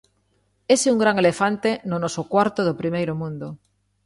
Ese é un gran elefante no noso cuarto do primeiro mundo.